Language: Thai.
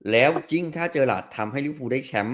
แล้วจริงถ้าเจอราดทำให้ลิวภูมิได้แชมป์